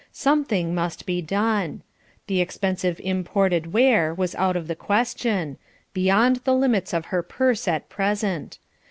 Something must be done. The expensive imported ware was out of the question beyond the limits of her purse at present.